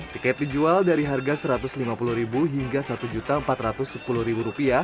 tiket dijual dari harga rp satu ratus lima puluh hingga rp satu empat ratus sepuluh